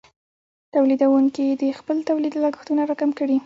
تولیدونکې د خپل تولید لګښتونه راکم کړي.